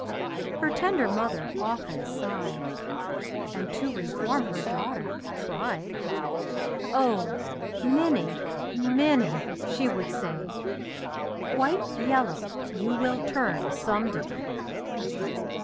Her tender mother often sighed, And to reform her daughter tried. "Oh! Minnie, Minnie," she would say, "Quite yellow you will turn some day."